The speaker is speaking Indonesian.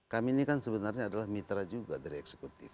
kami ini kan sebenarnya adalah mitra juga dari eksekutif